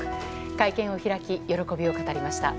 会見を開き、喜びを語りました。